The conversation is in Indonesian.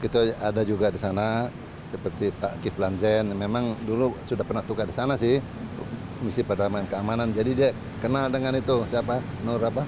kita ada juga di sana seperti pak ki planjen memang dulu sudah pernah tukar di sana sih misi perdamaian keamanan jadi dia kenal dengan itu siapa nur apa